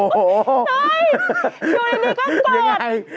ช่วยดีกับตัว